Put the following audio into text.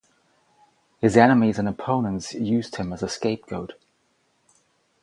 His enemies and opponents used him as a scapegoat.